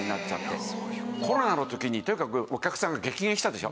コロナの時にとにかくお客さんが激減したでしょ？